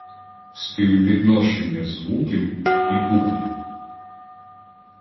Співвідношення звуків і букв